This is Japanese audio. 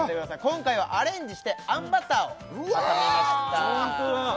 今回はアレンジして餡バターを挟みましたえっ？